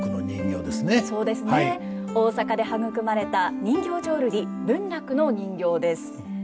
大阪で育まれた人形浄瑠璃文楽の人形です。